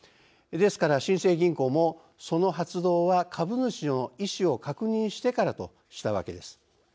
ですから、新生銀行もその発動は株主の意思を確認してからとしたわけです。